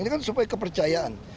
ini kan supaya kepercayaan